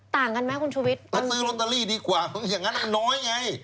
ต่างกันไหมคุณชุวิตมาซื้อลอตเตอรี่ดีกว่าอย่างนั้นมันน้อยไง